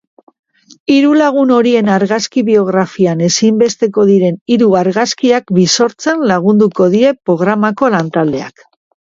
Hiru lagun horien argazki-biografian ezinbesteko diren hiru argazkiak birsortzen lagunduko die programako lantaldeak.